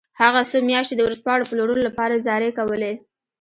هغه څو میاشتې د ورځپاڼو پلورلو لپاره زارۍ کولې